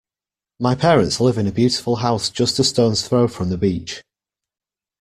My parents live in a beautiful house just a stone's throw from the beach.